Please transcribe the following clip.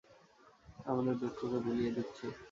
আমাদের দুঃখকে ভুলিয়ে দিচ্ছে।